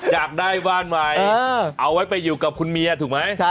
อยากได้บ้านใหม่เอาไว้ไปอยู่กับคุณเมียถูกไหม